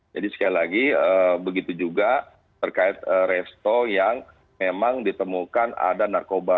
jadi sekali lagi begitu juga terkait resto yang memang ditemukan ada narkoba